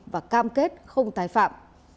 và cam kết không tái phạm